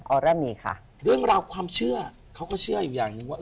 เริ่มมีค่ะเรื่องราวความเชื่อเขาก็เชื่ออยู่อย่างหนึ่งว่า